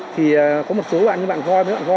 thì có một số bạn như bạn gói trước